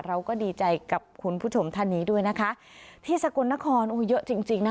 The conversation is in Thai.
เราก็ดีใจกับคุณผู้ชมท่านนี้ด้วยนะคะที่สกลนครโอ้เยอะจริงจริงนะ